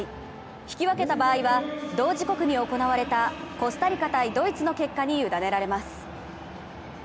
引き分けた場合は、同時刻に行われたコスタリカ×ドイツの結果に委ねられます。